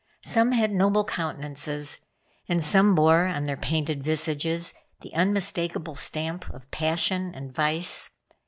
Some had noble countenances, and some bore on their painted visages the unmistakable stamp of passion and vice.